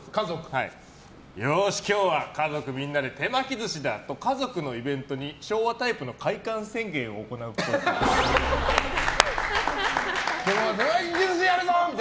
よし今日は家族みんなで手巻き寿司だと家族のイベントに昭和タイプの開会宣言を行うっぽい。